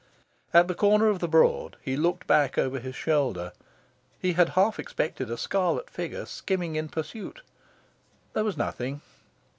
At the corner of the Broad, he looked back over his shoulder. He had half expected a scarlet figure skimming in pursuit. There was nothing.